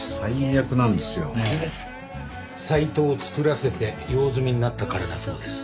サイトを作らせて用済みになったからだそうです。